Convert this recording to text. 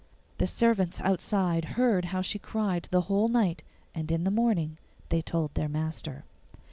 The servants outside heard how she cried the whole night, and in the morning they told their master.